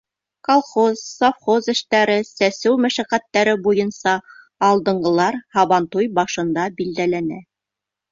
Колхоз, совхоз эштәре, сәсеү мәшәҡәттәре буйынса алдынғылар һабантуй башында билдәләнә.